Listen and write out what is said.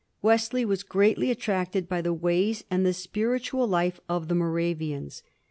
Wesley was greatly attracted by the ways and the spiritual life of the Moravians.